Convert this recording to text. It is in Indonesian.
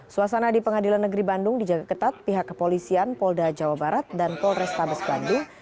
suasana di pengadilan negeri bandung dijaga ketat pihak kepolisian polda jawa barat dan polrestabes bandung